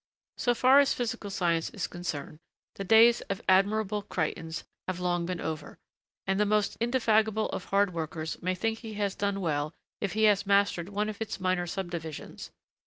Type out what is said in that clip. So far as physical science is concerned, the days of Admirable Crichtons have long been over, and the most indefatigable of hard workers may think he has done well if he has mastered one of its minor subdivisions.